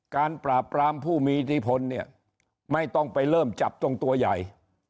การปราบปรามผู้มีอิทธิพลเนี่ยไม่ต้องไปเริ่มจับจงตัวใหญ่